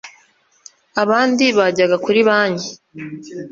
Abandi bajyaga kuri banki